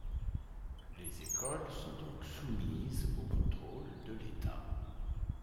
Les écoles sont donc soumise au contrôle de l'État.